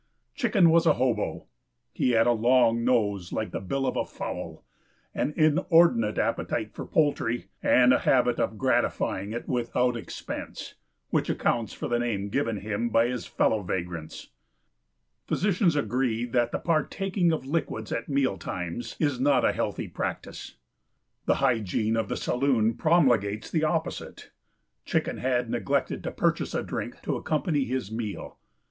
Chicken was a "hobo." He had a long nose like the bill of a fowl, an inordinate appetite for poultry, and a habit of gratifying it without expense, which accounts for the name given him by his fellow vagrants. Physicians agree that the partaking of liquids at meal times is not a healthy practice. The hygiene of the saloon promulgates the opposite. Chicken had neglected to purchase a drink to accompany his meal.